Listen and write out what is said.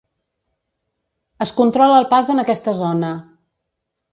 Es controla el pas en aquesta zona.